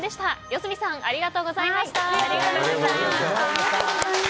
四角さんありがとうございました。